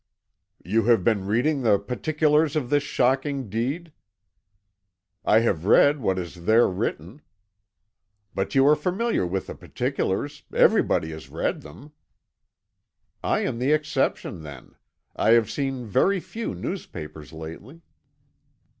"You have been reading the particulars of this shocking deed." "I have read what is there written." "But you are familiar with the particulars; everybody has read them." "I am the exception, then. I have seen very few newspapers lately."